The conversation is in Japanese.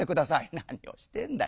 「何をしてんだい。